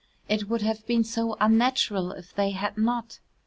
It would have been so unnatural if they had not.